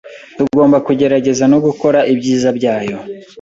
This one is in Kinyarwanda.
Tugomba kugerageza no gukora ibyiza byayo